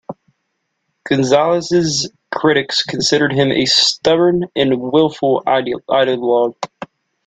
Gonzalez's critics considered him a stubborn and willful ideologue.